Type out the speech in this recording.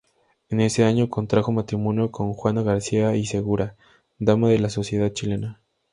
Ese año contrajo matrimonio con Juana García y Segura, dama de la sociedad chilena.